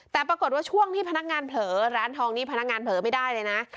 แต่ปรากฏว่าช่วงที่พนักงานเผลอร้านทองนี้พนักงานเผลอไม่ได้เลยนะ